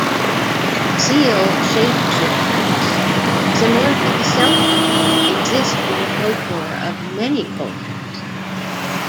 Seal shapeshifters similar to the selkie exist in the folklore of many cultures.